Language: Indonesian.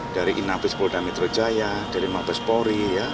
dari inapis polda metro jaya dari mabes polri